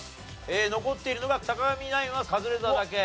残っているのが坂上ナインはカズレーザーだけ。